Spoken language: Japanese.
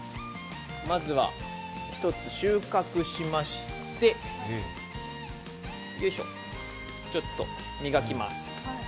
まずは１つ収穫しまして、ちょっと磨きます。